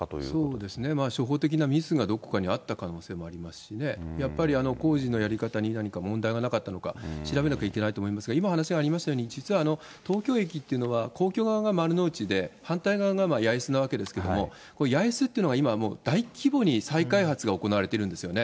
そうですね、初歩的なミスがどこかにあった可能性もありますしね、やっぱり工事のやり方に何か問題がなかったのか調べなきゃいけないと思いますが、今お話がありましたように、実は東京駅っていうのは、皇居側が丸の内で、反対側が八重洲なわけですけれども、八重洲っていうのは今、大規模に再開発が行われているんですよね。